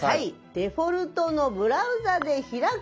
「デフォルトのブラウザで開く」。